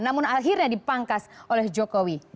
namun akhirnya dipangkas oleh jokowi